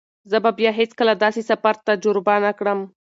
زه به بیا هیڅکله داسې سفر تجربه نه کړم.